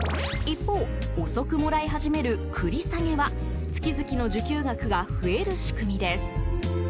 一方、遅くもらい始める繰り下げは月々の受給額が増える仕組みです。